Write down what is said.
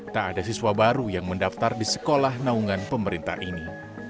tak ada siswa baru yang mendaftar di sekolah naungan pemerintah ini